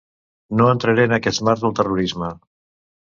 No entraré en aquest marc del terrorisme.